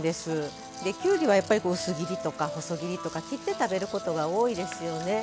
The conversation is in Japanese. きゅうりは薄切りとか細切りとか切って食べることが多いですよね。